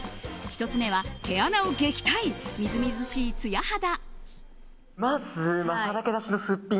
１つ目は、毛穴を撃退みずみずしいつや肌。